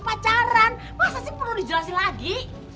pacaran masa sih perlu dijelasin lagi